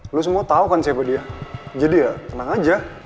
lu semua tau kan siapa dia jadi ya tenang aja